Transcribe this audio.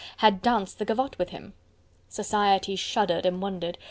had danced the gavotte with him. Society shuddered and wondered!